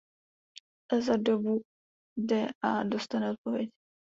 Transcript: Za dobu dA dostane odpověď.